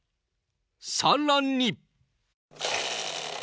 さらに。